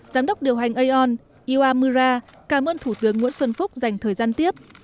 giám đốc điều hành aeon iwa mura cảm ơn thủ tướng nguyễn xuân phúc dành thời gian tiếp